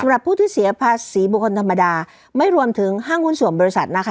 สำหรับผู้ที่เสียภาษีบุคคลธรรมดาไม่รวมถึงห้างหุ้นส่วนบริษัทนะคะ